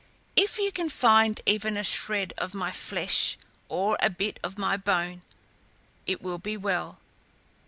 If you can find even a shred of my flesh or a bit of my bone, it will be well.